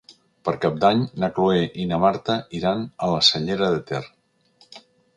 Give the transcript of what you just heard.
Per Cap d'Any na Cloè i na Marta iran a la Cellera de Ter.